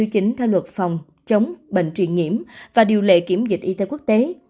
theo luật phòng chống bệnh truyền nhiễm và điều lệ kiểm dịch y tế quốc tế